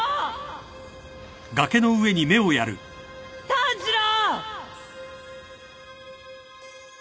・炭治郎！